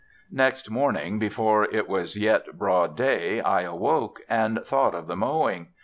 Next morning, before it was yet broad day, I awoke, and thought of the mowing.